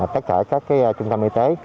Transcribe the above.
tất cả các cái trung tâm y tế